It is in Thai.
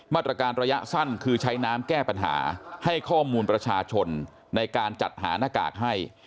มาตรการระยะสั้นคือใช้น้ำแก้ปัญหาให้ข้อมูลประชาชนในการจัดหาหน้ากากให้